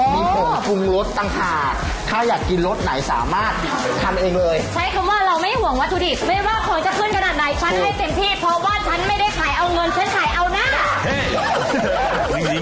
มีผงฟรุงรสตั้งหากถ้าอยากกินรสไหนสามารถทำเองเลย